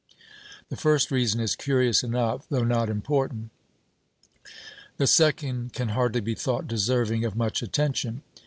The first reason is curious enough, though not important; the second can hardly be thought deserving of much attention.